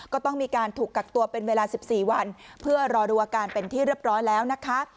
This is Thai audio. ก็ต้องมีการถูกกักตัวเป็นเวลา๑๔วันเพื่อรอดูอาการเป็นที่เรียบร้อยแล้วนะคะ